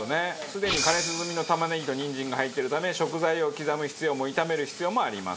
すでに加熱済みの玉ねぎとにんじんが入っているため食材を刻む必要も炒める必要もありません。